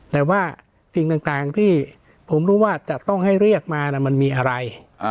แต่ว่าสิ่งต่างที่ผมรู้ว่าจะต้องให้เรียกมามันมีอะไร